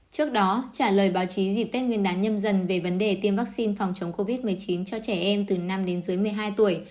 trước đó trả lời báo chí dịp tết nguyên đán nhâm dần về vấn đề tiêm vaccine phòng chống covid một mươi chín cho trẻ em từ năm đến dưới một mươi hai tuổi